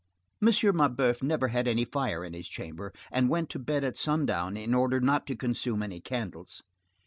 M. Mabeuf never had any fire in his chamber, and went to bed at sundown, in order not to consume any candles.